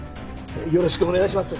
よろしくお願いします